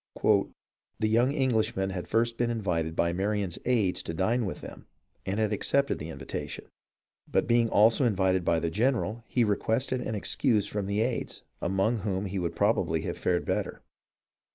" The young Englishman had first been invited by Marion's aides to dine with them and had accepted the invitation ; but being also invited by the general, he requested an excuse from the aides, among whom he would probably have fared better.